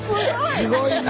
すごいな！